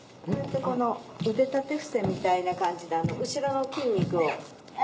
・腕立て伏せみたいな感じで後ろの筋肉を・あ